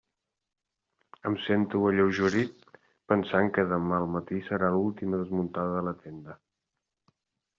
Em sento alleugerit pensant que demà al matí serà l'última desmuntada de la tenda.